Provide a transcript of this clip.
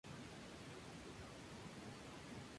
Generalmente solo le llevan un pez a la cría.